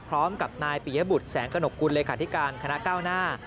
พร้อมกับนายปิยบุตรแสงกระหนกกุลเลขาธิการคณะก้าวหน้า